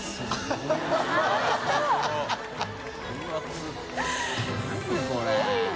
すごいな。